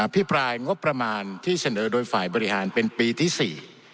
พิปรายงบประมาณที่เสนอโดยฝ่ายบริหารเป็นปีที่๔